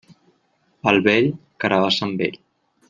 Al vell, carabassa amb ell.